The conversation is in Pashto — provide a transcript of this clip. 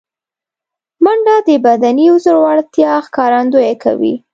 منډه د بدني زړورتیا ښکارندویي کوي